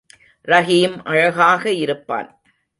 ரஹீம் அழகாக இருப்பான்.